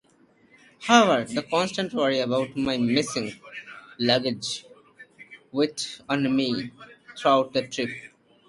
However, the constant worry about my missing luggage weighed on me throughout the trip.